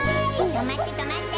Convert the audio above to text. とまってとまって！